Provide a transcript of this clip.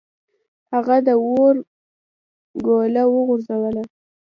هغه د اور ګوله وغورځوله.